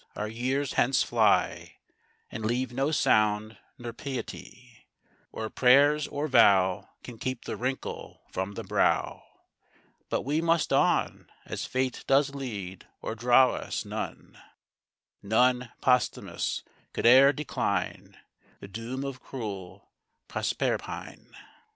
our years hence fly And leave no sound: nor piety, Or prayers, or vow Can keep the wrinkle from the brow; But we must on, As fate does lead or draw us; none, None, Posthumus, could e'er decline The doom of cruel Proserpine.